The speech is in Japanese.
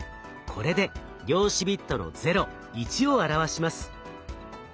これで量子ビットの「０」「１」を表します。